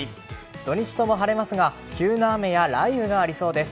土日とも晴れますが急な雨や雷雨がありそうです。